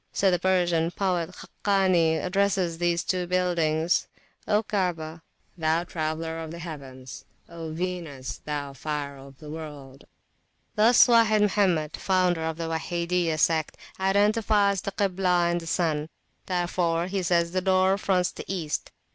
So the Persian poet Khakani addresses these two buildings: O Kaabah, thou traveller of the heavens! O Venus, thou fire of the world! Thus Wahid Mohammed, founder of the Wahidiyah sect, identifies the Kiblah and the sun; wherefore he says the door fronts the East.